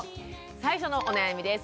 最初のお悩みです。